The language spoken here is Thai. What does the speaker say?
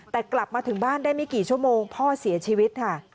แต่กลับมาถึงบ้านได้ไม่กี่ชั่วโมงพ่อเสียชีวิตค่ะ